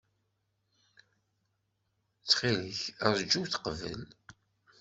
Ttxil-k, ṛju-t qbel.